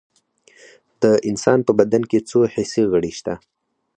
د انسان په بدن کې څو حسي غړي شته